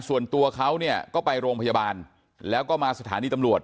ส่วนตัวเขาเนี่ยก็ไปโรงพยาบาลแล้วก็มาสถานีตำรวจ